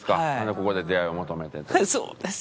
ここで出会いを求めてという？